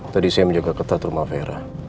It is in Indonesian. tadi saya menjaga ketat rumah vera